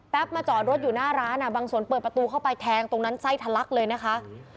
มาจอดรถอยู่หน้าร้านบางส่วนเปิดประตูเข้าไปแทงตรงนั้นไส้ทะลักเลยนะคะ